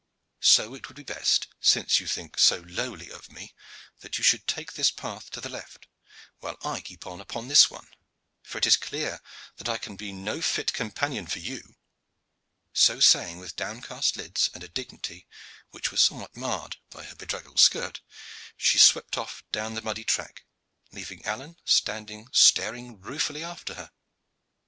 So it would be best, since you think so lowly of me, that you should take this path to the left while I keep on upon this one; for it is clear that I can be no fit companion for you." So saying, with downcast lids and a dignity which was somewhat marred by her bedraggled skirt, she swept off down the muddy track, leaving Alleyne standing staring ruefully after her.